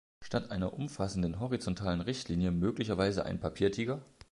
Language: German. Statt einer umfassenden horizontalen Richtlinie möglicherweise ein Papiertiger?